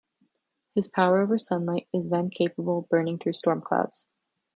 His power over sunlight is then capable of burning through storm clouds.